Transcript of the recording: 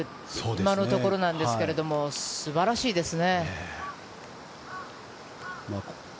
今のところなんですが、素晴らしいですね。